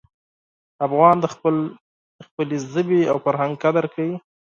افغان د خپلې ژبې او فرهنګ قدر کوي.